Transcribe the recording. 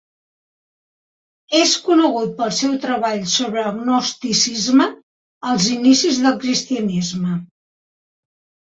És conegut pel seu treball sobre el gnosticisme als inicis del cristianisme.